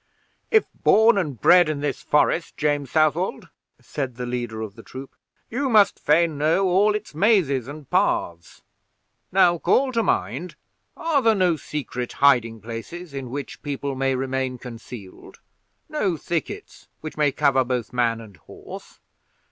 "If born and bred in this forest, James Southwold," said the leader of the troop, "you must fain know all its mazes and paths. Now, call to mind, are there no secret hiding places in which people may remain concealed; no thickets which may cover both man and horse?